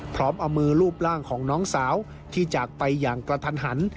พร้อมเอามือรูปร่างของน้องสาวที่จากไปอย่างกระทันหัน